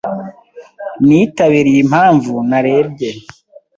Nitabiriye impamvu narebye